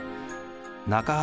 中原